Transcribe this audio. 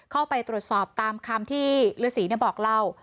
เข้าไปตรวจสอบตามคำที่เรือสี่เลยบอกเรา